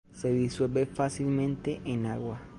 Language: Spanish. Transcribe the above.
Se disuelve fácilmente en agua.